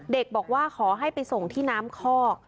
บอกว่าขอให้ไปส่งที่น้ำคอก